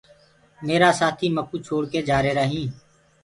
ميرآ سآٿيٚ مڪو ڇوڙڪي جآريهرائينٚ